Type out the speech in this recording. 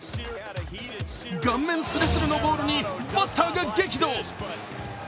顔面スレスレのボールにバッターが激怒。